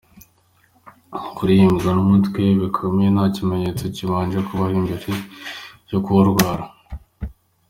Kuribwa n’umutwe bikomeye, nta kimenyetso kibanje kubaho mbere yo kuwurwara.